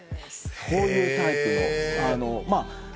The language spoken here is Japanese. そういうタイプの。